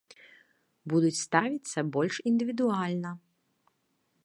Будуць ставіцца больш індывідуальна.